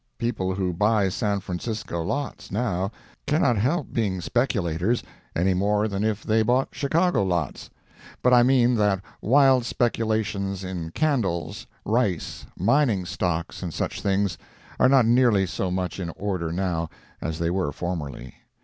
People who buy San Francisco lots now cannot help being speculators, any more than if they bought Chicago lots; but I mean that wild speculations in candles, rice, mining stocks, and such things, are not nearly so much in order now as they were formerly.